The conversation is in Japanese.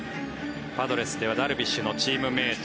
パドレスではダルビッシュのチームメート。